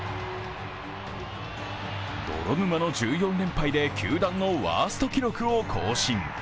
泥沼の１４連敗で球団のワースト記録を更新。